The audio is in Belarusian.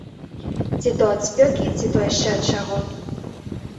Ці то ад спёкі, ці то яшчэ ад чаго.